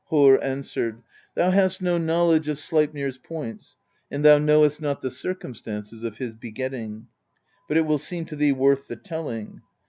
Harr answered: "Thou hast no knowledge of Sleipnir's points, and thou knowest not the circumstances of his begetting; but it will seem to thee worth the telling.